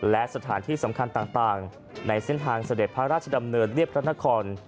และสถานที่สำคัญต่างในเส้นทางเสด็จพระราชดำเนินเรียบพระนคร